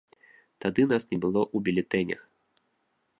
Тады нас не было ў бюлетэнях.